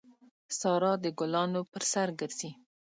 سارا د ګلانو پر سر ګرځي.